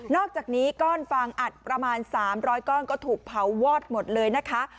อกจากนี้ก้อนฟางอัดประมาณ๓๐๐ก้อนก็ถูกเผาวอดหมดเลยนะคะ